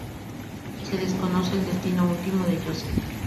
Se desconoce el destino último de Yosef.